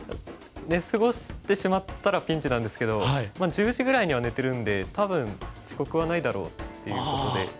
寝過ごしてしまったらピンチなんですけどまあ１０時ぐらいには寝てるんで多分遅刻はないだろうっていうことで。